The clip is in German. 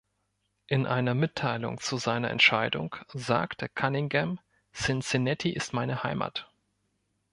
In einer Mitteilung zu seiner Entscheidung sagte Cunningham: "Cincinnati ist meine Heimat".